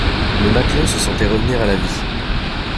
Le matelot se sentait revenir à la vie.